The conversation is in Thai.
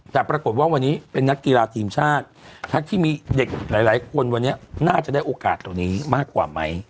แต่ปรากฏว่าวันนี้เป็นนักกีฬาทีมชาติทั้งที่มีเด็กหลายคนวันนี้น่าจะได้โอกาสตรงนี้มากกว่าไหม